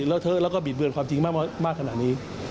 เลอเทอะแล้วก็บิดเบือนความจริงมากขนาดนี้